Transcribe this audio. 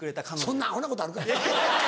そんなアホなことあるかい。